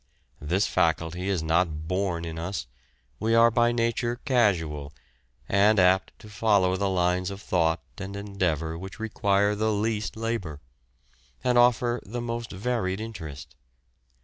This faculty is not born in us; we are by nature casual, and apt to follow the lines of thought and endeavour which require the least labour, and offer the most varied interest.